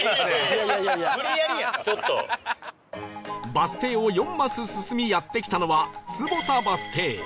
バス停を４マス進みやって来たのは坪田バス停